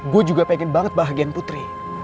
gue juga pengen banget bahagian putri